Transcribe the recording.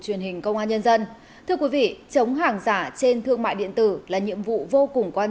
truyền hình công an nhân dân thưa quý vị chống hàng giả trên thương mại điện tử là nhiệm vụ vô cùng quan